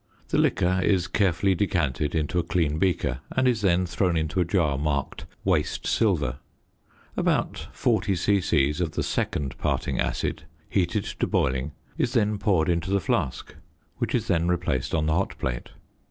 The liquor is carefully decanted into a clean beaker and is then thrown into a jar marked "waste silver." About 40 c.c. of the second parting acid, heated to boiling, is then poured into the flask, which is then replaced on the hot plate.